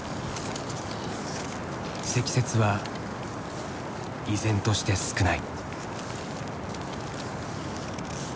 積雪は依然として少ない。